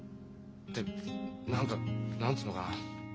で何か何つうのかな